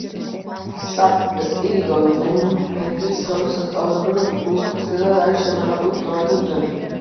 სპირიდონ ტრიმიფუნტელის სხეული სასწაულებრივად, უხრწნელად არის შემონახული დღევანდელ დღემდე.